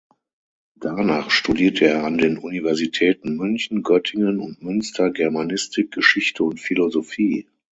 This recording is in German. Danach studierte er an den Universitäten München, Göttingen und Münster Germanistik, Geschichte und Philosophie.